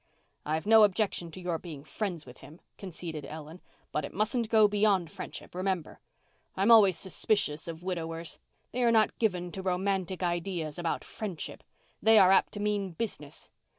"I've no objection to your being friends with him," conceded Ellen, "but it musn't go beyond friendship, remember. I'm always suspicious of widowers. They are not given to romantic ideas about friendship. They're apt to mean business.